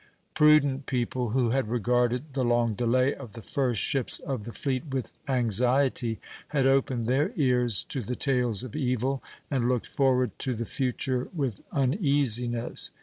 Prudent people, who had regarded the long delay of the first ships of the fleet with anxiety, had opened their ears to the tales of evil, and looked forward to the future with uneasiness.